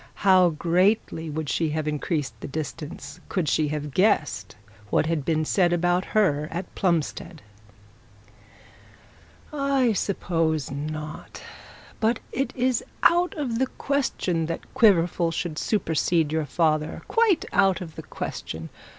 How greatly would she have increased the distance could he have guessed what had been said about her at Plumstead! 'I suppose not. But it is out of the question that Quiverful should supersede your father quite out of the question.